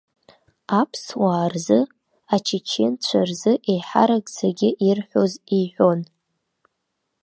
Аԥсуаа рзы, ачеченцәа рзы еиҳарак зегьы ирҳәоз иҳәон.